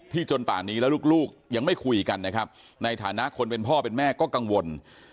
จนป่านนี้แล้วลูกยังไม่คุยกันนะครับในฐานะคนเป็นพ่อเป็นแม่ก็กังวล